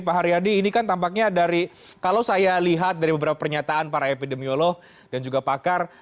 pak haryadi ini kan tampaknya dari kalau saya lihat dari beberapa pernyataan para epidemiolog dan juga pakar